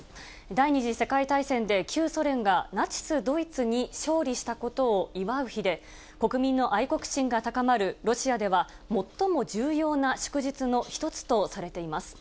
第２次世界大戦で、旧ソ連がナチス・ドイツに勝利したことを祝う日で、国民の愛国心が高まるロシアでは最も重要な祝日の一つとされています。